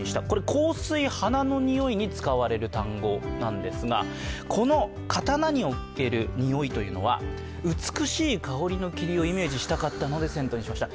香水、花のにおいに使われる単語なんですが、この刀における「匂」というのは美しい香りの霧をイメージしたかったのでセントにしました。